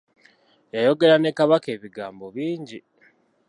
Yayogera ne Kabaka ebigambo bingi.